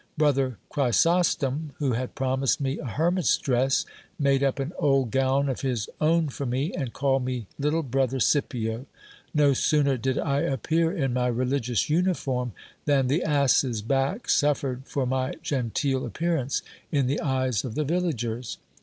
Brother Chrysostom, who had promised me a hermit's dress, made up an old gown of his own for me, and called me little brother Scipio. No sooner did I appear in my religious uniform, than the ass's back suffered for my genteel appearance in the eyes of the villagers.